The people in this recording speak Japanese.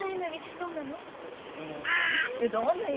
どんな夢？